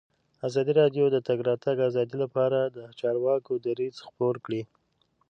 ازادي راډیو د د تګ راتګ ازادي لپاره د چارواکو دریځ خپور کړی.